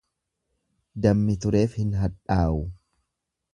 Dammi tureef hin hadhaawu.